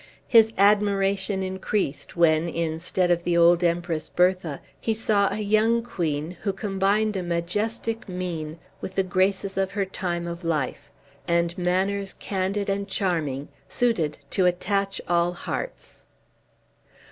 His admiration increased when, instead of the old Empress Bertha, he saw a young queen who combined a majestic mien with the graces of her time of life, and manners candid and charming, suited to attach all hearts.